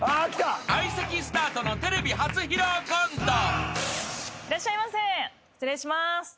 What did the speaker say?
相席スタートのテレビ初披露コント］